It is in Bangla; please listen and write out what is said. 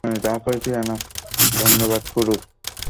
ধন্যবাদ, কুরুপ।